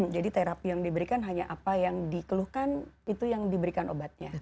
jadi terapi yang diberikan hanya apa yang dikeluhkan itu yang diberikan obatnya